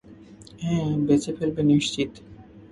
হ্যাঁ, বেচে ফেলবে, নিশ্চিত।